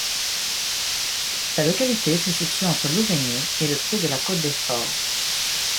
La localité se situe entre Louveigné et le pied de la côte des Forges.